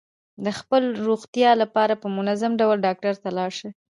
د خپل روغتیا لپاره په منظم ډول ډاکټر ته لاړ شه.